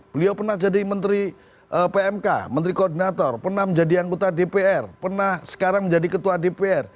beliau pernah jadi menteri pmk menteri koordinator pernah menjadi anggota dpr pernah sekarang menjadi ketua dpr